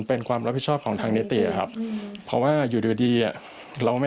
เป็นความรับผิดชอบของทางนิติอะครับเพราะว่าอยู่ดีดีอ่ะเราไม่